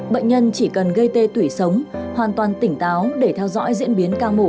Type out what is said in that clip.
bệnh nhân chỉ cần gây tê tủy sống hoàn toàn tỉnh táo để theo dõi diễn biến ca mổ